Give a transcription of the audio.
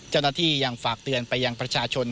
เจ้าหน้าที่ยังฝากเตือนไปยังประชาชน